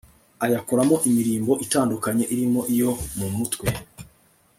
ayakoramo imirimbo itandukanye irimo iyo mu mutwe